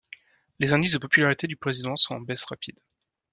Les indices de popularité du président sont en baisse rapide.